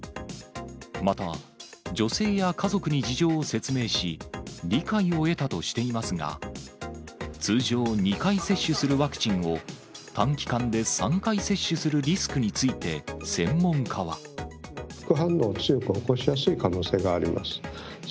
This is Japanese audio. また女性や家族に事情を説明し、理解を得たとしていますが、通常２回接種するワクチンを、短期間で３回接種するリスクにつ副反応を強く起こしやすい可能性があります。